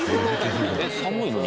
寒いのに？